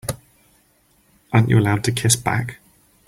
Aren't you allowed to kiss back?